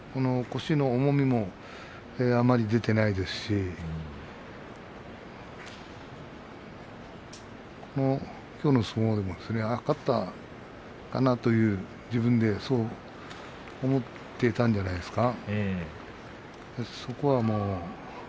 腰の重みもあまり出てないですしきょうの相撲も、勝ったかなと自分で思っていたんじゃないですか。